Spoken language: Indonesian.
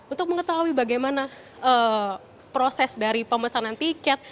untuk mengetahui bagaimana proses dari pemesanan tiket